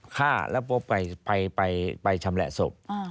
ฆ่าแล้วไปชำแหละศพ